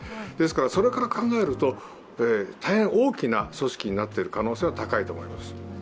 それから考えると、大変大きな組織になっている可能性は高いと思います。